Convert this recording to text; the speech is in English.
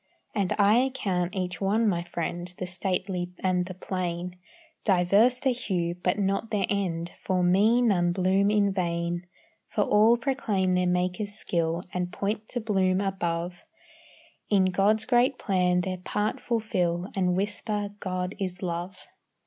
And I account each one my friend, The stately and the plain. Diverse their hue, but not their end; For me none bloom in vain; For all proclaim their Maker's skill, And point to bloom above; In God's great plan their part fulfil, And whisper "God is love."